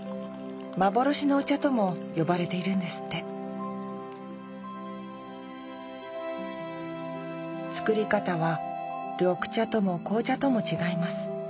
幻のお茶とも呼ばれているんですってつくり方は緑茶とも紅茶とも違います。